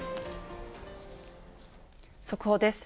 速報です。